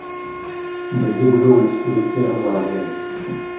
Brzy budou k dispozici jeho závěry.